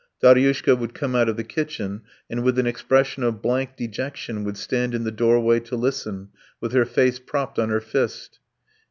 Daryushka would come out of the kitchen and with an expression of blank dejection would stand in the doorway to listen, with her face propped on her fist.